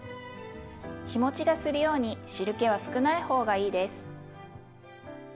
日もちがするように汁けは少ない方がいいです。